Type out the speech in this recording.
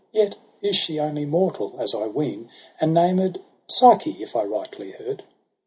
Yet is she only mortal, as I ween. And named Psyche, if I rightly heard.'